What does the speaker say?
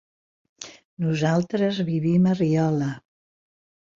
Nosaltres vivim a Riola.